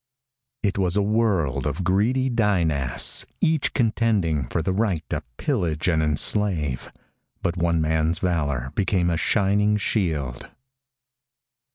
_ It was a world of greedy Dynasts each contending for the right to pillage and enslave. But one man's valor became a shining shield.